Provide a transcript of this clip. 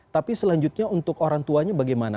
tapi selanjutnya untuk orang tuanya bagaimana